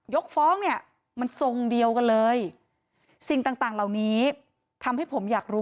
ยกฟ้องเนี่ยมันทรงเดียวกันเลยสิ่งต่างเหล่านี้ทำให้ผมอยากรู้